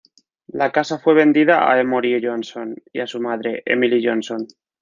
La casa fue vendida a Emory Johnson y a su madre, Emily Johnson.